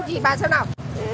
đâu chị bà xem nào